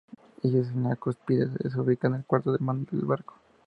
Y en la cúspide se ubica el cuarto de mando del barco.